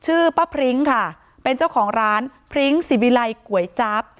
ชื่อป้าพริ้งค่ะเป็นเจ้าของร้านพริ้งสิวิลัยก๋วยจั๊บ